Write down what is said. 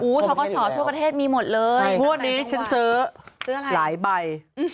ท้องกระสอร์ทั่วประเทศมีหมดเลยทุกวันนี้ฉันซื้อหลายใบ